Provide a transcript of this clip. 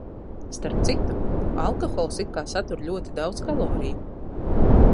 Starp citu, alkohols it kā satur ļoti daudz kaloriju.